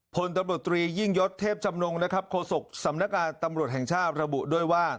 ผลตำรวจตรียี่ยกยศเทพฯจำนงโครสุรรีโรครูชสำนักอาร์ดตำรวจแห่งทราบข์ระบุด้วยว่า